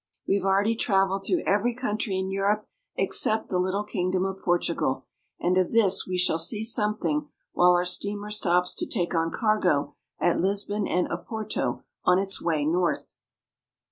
We have already traveled through every country in Europe except the little kingdom of Portugal, and of this we shall 446 PORTUGAL. see something while our steamer stops to take on cargo at Lisbon and Oporto on its way north.